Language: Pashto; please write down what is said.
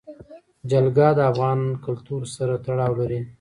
جلګه د افغان کلتور سره تړاو لري.